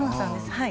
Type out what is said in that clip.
はい